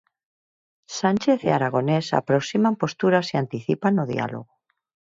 Sánchez e Aragonés aproximan posturas e anticipan o diálogo.